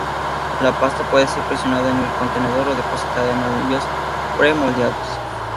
La pasta puede ser presionada en el contenedor o depositada en anillos pre-moldeados.